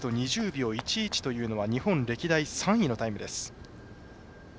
２０秒１１というのは日本歴代３位のタイムです。